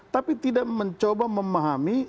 tapi tidak mencoba memahami